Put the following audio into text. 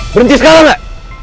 berhenti sekarang gak